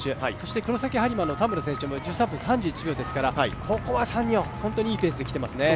黒崎播磨の田村選手も１３分３１秒ですから、ここは３人は本当にいいペースで来ています。